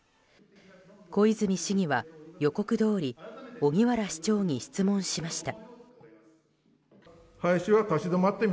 小泉市議は、予告どおり荻原市長に質問しました。